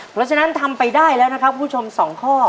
เพราะฉะนั้นทำไปได้แล้วนะครับคุณผู้ชม๒ข้อ